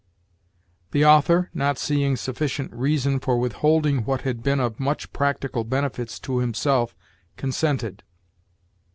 "The author, not seeing sufficient reason for withholding what had been of much practical benefit to himself, consented.